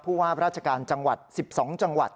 ว่าราชการจังหวัด๑๒จังหวัด